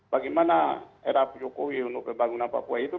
bagaimana era jokowi untuk pembangunan papua itu